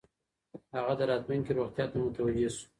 هغه د راتلونکې روغتیا ته متوجه شو.